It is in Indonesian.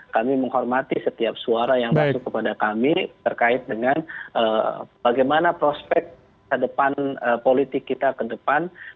kami menghormati setiap suara yang masuk kepada kami terkait dengan bagaimana prospek ke depan politik kita ke depan